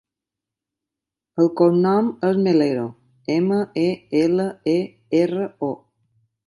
El cognom és Melero: ema, e, ela, e, erra, o.